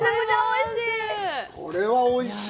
これはおいしい。